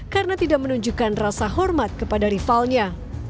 karena tidak menunjukkan rasa hormat kepada rivalnya